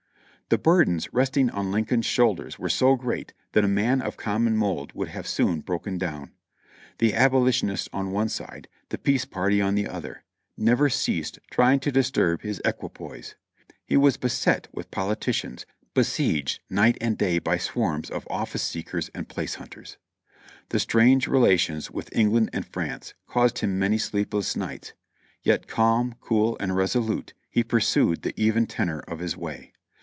The burdens resting on Lincoln's shoulders were so great that a man of common mold would have soon broken down. The Abolitionists on one side, the Peace party on the other, never ceased trying to disturb his equipoise. He was beset Avith poli ticians, besieged night and day by swarms of office seekers and place hunters. The strained relations with England and France caused him many sleepless nights, yet calm, cool and resolute he pursued the even tenor of his way.